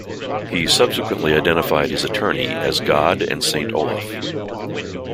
He subsequently identified his attorney as God and Saint Olaf.